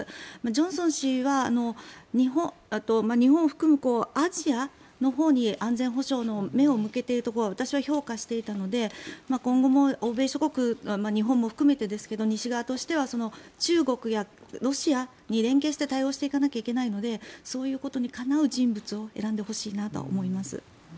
ジョンソン氏は日本を含むアジアのほうに安全保障の目を向けているところは私は評価していたので今後も欧米諸国日本も含めてですが西側としては中国やロシアに連携して対応していかなければいけないのでそういうことにかなう人物を選んでほしいなと思います。